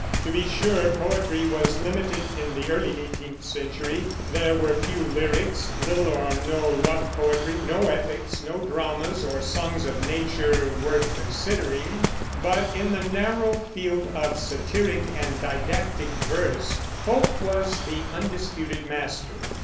To be sure, poetry was limited in the early eighteenth century; there were few lyrics, little or no love poetry, no epics, no dramas or songs of nature worth considering; but in the narrow field of satiric and didactic verse Pope was the undisputed master.